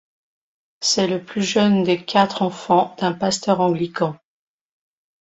C'est le plus jeune des quatre enfants d'un pasteur anglican.